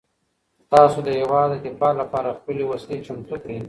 تاسو د هیواد د دفاع لپاره خپلې وسلې چمتو کړئ.